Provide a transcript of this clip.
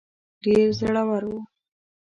ډېر زړه ور وو.